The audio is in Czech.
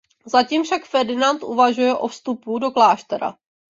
Zatím však Ferdinand uvažuje o vstupu do kláštera.